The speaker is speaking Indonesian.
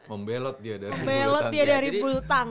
om belot dia dari bultang